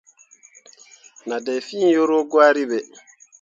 Nah dai fîi yuru gwari ɓe.